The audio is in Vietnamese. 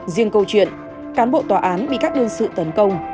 riêng câu chuyện cán bộ tòa án bị các đương sự tấn công